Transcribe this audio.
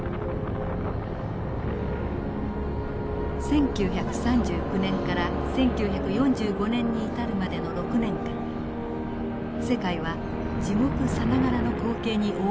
１９３９年から１９４５年に至るまでの６年間世界は地獄さながらの光景に覆い尽くされました。